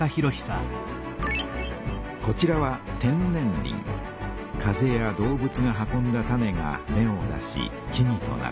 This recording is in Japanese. こちらは風や動物が運んだ種が芽を出し木々となる。